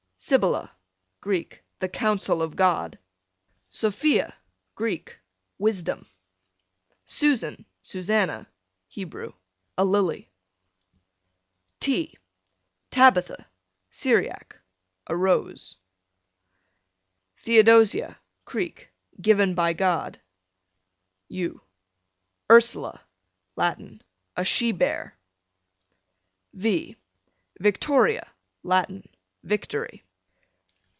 Sibylla, Greek, the counsel of God. Sophia, Greek, wisdom. Susan, Susanna, Hebrew, a lily. T Tabitha, Syriac, a roe. Theodosia, Creek, given by God. U Ursula, Latin, a she bear. V Victoria, Latin, victory.